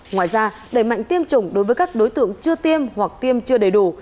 ngoài ra đẩy mạnh tiêm chủng đối với các đối tượng chưa tiêm hoặc tiêm chưa đầy đủ